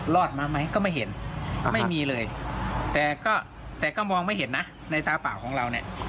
รอดมาไหมก็ไม่เห็นไม่มีเลยแต่ก็แต่ก็มองไม่เห็นนะในตาเปล่าของเราเนี่ย